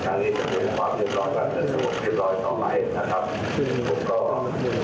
จะเป็นความผิดคำต้องกันและสมมุติผิดคำต้องกันต่อไปนะครับ